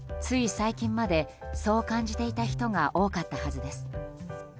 つい最近までそう感じていた人が多かったはずです。